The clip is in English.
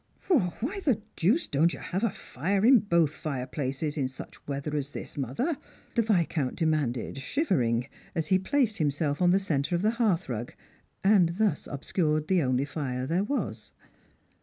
" Why the deuce don't you have a fire in both fireplaces iu such weather as this, mother ?" the Viscount demanded, 104 Strangers and Pilyrims. shivering, as he placed himself on the centre of the heartnrug, and thus obscured the only fire there was.